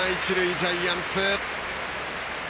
ジャイアンツ。